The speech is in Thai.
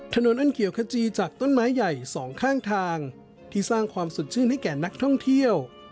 ถนนอันเขียวขจีจากต้นไม้ใหญ่สองข้างทางที่สร้างความสดชื่นให้แก่นักท่องเที่ยว